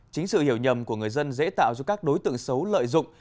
chính sự hiểu nhầm của người dân dễ tạo do các đối tượng xấu lợi dụng